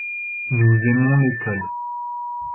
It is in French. Nous aimons l'école ?